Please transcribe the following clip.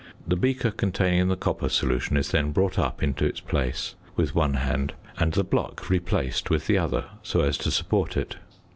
The beaker containing the copper solution is then brought up into its place with one hand, and the block replaced with the other so as to support it.